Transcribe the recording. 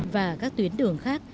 và các tuyến đường khác